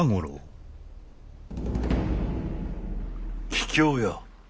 ・桔梗屋。